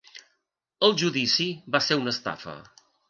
El judici va ser una estafa.